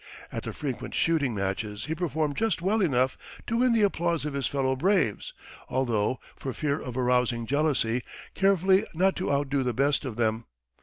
At the frequent shooting matches he performed just well enough to win the applause of his fellow braves, although, for fear of arousing jealousy, careful not to outdo the best of them.